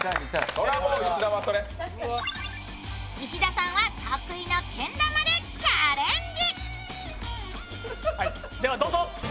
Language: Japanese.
石田さんは得意のけん玉でチャレンジ。